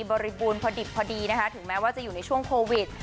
บริบูรณพอดิบพอดีนะคะถึงแม้ว่าจะอยู่ในช่วงโควิด